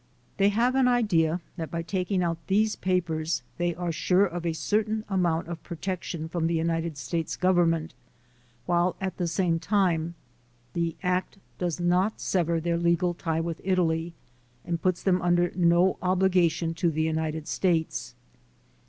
They have an idea that by taking out these papers they are sure of a certain amount of protection from the United States Government, while at the same time the act does not sever their legal tie with Italy, and puts them under no obligation to the United States.